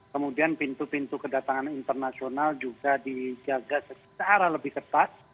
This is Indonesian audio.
kemudian pintu pintu kedatangan internasional juga dijaga secara lebih ketat